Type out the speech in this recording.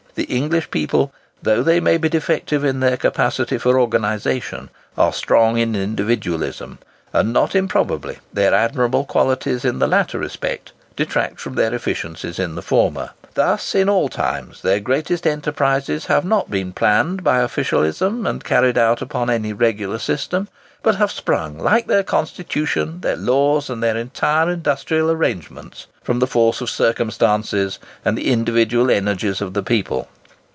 The English people, though they may be defective in their capacity for organization, are strong in individualism; and not improbably their admirable qualities in the latter respect detract from their efficiency in the former. Thus, in all times, their greatest enterprises have not been planned by officialism and carried out upon any regular system, but have sprung, like their constitution, their laws, and their entire industrial arrangements, from the force of circumstances and the individual energies of the people.